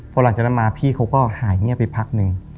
พอหลังจากนั้นมาพี่เขาก็หายเงียบไปพักหนึ่ง